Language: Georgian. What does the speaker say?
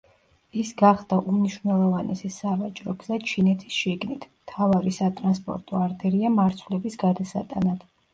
ის გახდა უმნიშვნელოვანესი სავაჭრო გზა ჩინეთის შიგნით, მთავარი სატრანსპორტო არტერია მარცვლების გადასატანად.